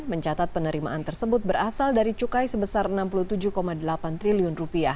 mencatat penerimaan tersebut berasal dari cukai sebesar rp enam puluh tujuh delapan triliun